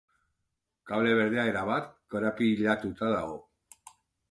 Kable berdea erabat korapilatuta dago.